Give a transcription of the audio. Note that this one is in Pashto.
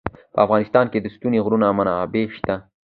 په افغانستان کې د ستوني غرونه منابع شته.